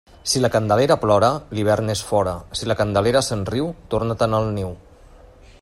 Si la Candelera plora, l'hivern és fora; si la Candelera se'n riu, torna-te'n al niu.